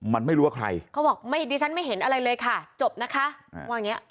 มันไม่รู้ว่าใครเขาบอกไม่ดิฉันไม่เห็นอะไรเลยค่ะจบนะคะว่าอย่างเงี้